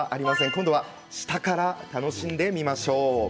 今度は下から楽しんでみましょう。